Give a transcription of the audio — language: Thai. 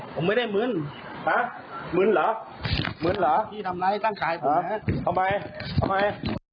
ผมไม่ได้มื้นฮะมื้นเหรอมื้นเหรอพี่ทำร้ายตั้งข่ายผมแน่ทำไมทำไม